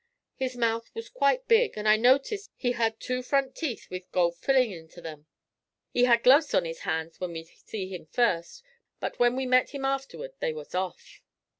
His mouth was quite big, and I noticed he had two front teeth with gold fillin' into 'em. He had gloves on his hands when we see him first, but when we met him afterward they was off.'